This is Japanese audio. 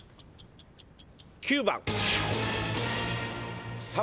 ９番。